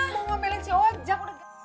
mau ngambilin si ojak